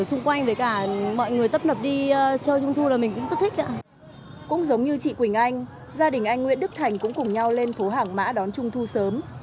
cũng giống như chị quỳnh anh gia đình anh nguyễn đức thành cũng cùng nhau lên phố hàng mã đón trung thu sớm